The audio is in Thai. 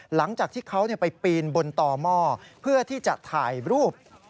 หลังจากที่เขาไปปีนบนต่อหม้อเพื่อที่จะถ่ายรูป